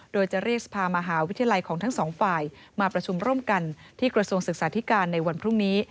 โดยจะเรียกสภามหาวิทยาลัยของทั้งสองฝ่ายมาประชุมร่วมกันที่กระทรวงศึกษาธิการในวันพรุ่งนี้